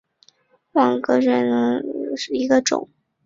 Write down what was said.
网格卷管螺为卷管螺科粗切嘴螺属下的一个种。